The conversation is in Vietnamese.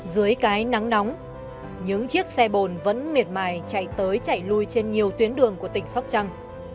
dưới cái nắng nóng những chiếc xe bồn vẫn miệt mài chạy tới chạy lui trên nhiều tuyến đường của tỉnh sóc trăng